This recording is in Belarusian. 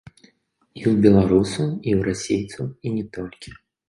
І ў беларусаў, і ў расейцаў, і не толькі.